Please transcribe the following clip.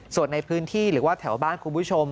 ส่วนในพื้นที่หรือว่าแถวบ้านคุณผู้ชม